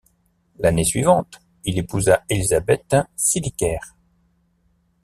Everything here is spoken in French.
L'année suivante, il épousa Elizabeth Silliker.